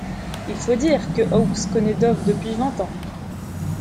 Il faut dire que Oakes connait Dove depuis vingt ans.